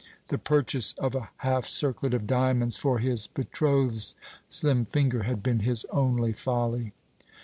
The purchase of a half circlet of diamonds for his betrothed's slim finger had been his only folly.